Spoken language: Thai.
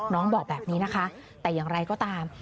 น้องบอกแบบนี้นะคะแต่อย่างไรก็ตาม